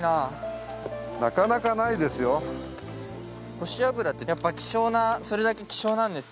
コシアブラってやっぱ希少なそれだけ希少なんですね。